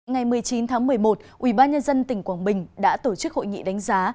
ngày một mươi chín tháng một mươi một ubnd tỉnh quảng bình đã tổ chức hội nghị đánh giá